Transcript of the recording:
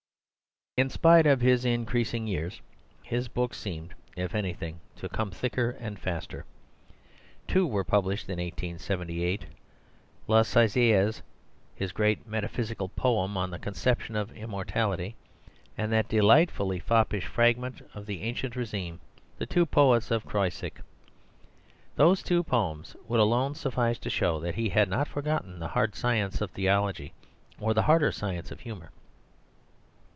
In spite of his increasing years, his books seemed if anything to come thicker and faster. Two were published in 1878 La Saisiaz, his great metaphysical poem on the conception of immortality, and that delightfully foppish fragment of the ancien régime, The Two Poets of Croisic. Those two poems would alone suffice to show that he had not forgotten the hard science of theology or the harder science of humour.